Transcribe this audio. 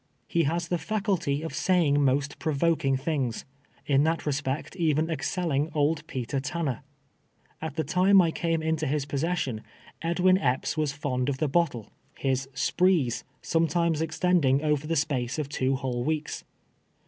He has the faculty of saying most provoking things, in that resjiect even excelling old Peter Tanner. At the time I came into his possession, Edwin Ej)ps was fond of the bottle, his HABrrS OF EDWIN EPrs. 163 " sprees" sometimes extending over tlie space of two whole weeks.